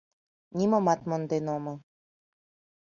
Нимомат монден омыл